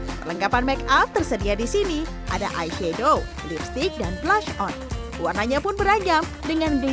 perlengkapan make up tersedia disini ada eye shadow lipstick dan blush on warnanya pun ada di dalamnya